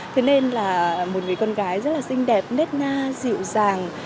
thế nên là một người con gái rất là xinh đẹp nết na dịu dàng